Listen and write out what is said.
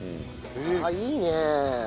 ああいいね。